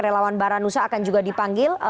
relawan baranusa akan juga dipanggil